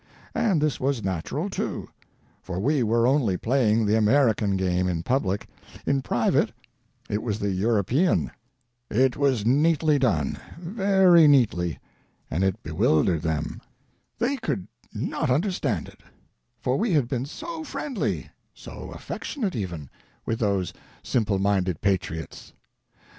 And this was natural, too; for we were only playing the American Game in public — in private it was the European. It was neatly done, very neatly, and it bewildered 172 THE NORTH AMERICAN REVIEW. them. They could not understand it ; for we had been so friendly — so affectionate, even — with those simple minded patriots